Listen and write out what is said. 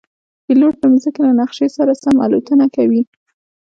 پیلوټ د مځکې له نقشې سره سم الوتنه کوي.